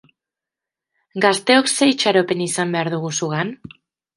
Gazteok ze itxaropen izan behar dugu zugan?